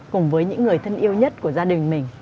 cùng với những người thân yêu nhất của gia đình mình